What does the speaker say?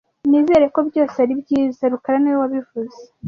Nizere ko byose ari byiza rukara niwe wabivuze